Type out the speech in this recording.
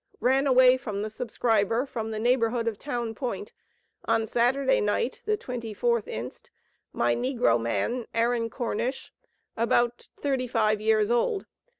Ran away from the subscriber, from the neighborhood of Town Point, on Saturday night, the 24th inst., my negro man, AARON CORNISH, about 35 years old.